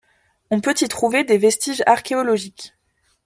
On peut y trouver des vestiges archéologiques.